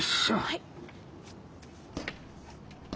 はい。